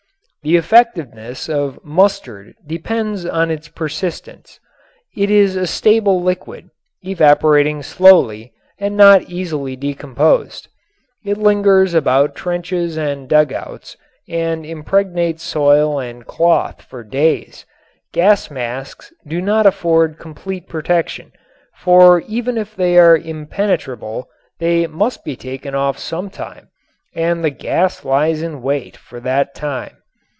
The effectiveness of "mustard" depends upon its persistence. It is a stable liquid, evaporating slowly and not easily decomposed. It lingers about trenches and dugouts and impregnates soil and cloth for days. Gas masks do not afford complete protection, for even if they are impenetrable they must be taken off some time and the gas lies in wait for that time.